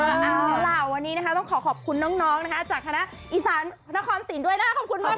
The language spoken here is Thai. เอาล่ะวันนี้นะคะต้องขอขอบคุณน้องนะคะจากคณะอีสานนครสินด้วยนะขอบคุณมาก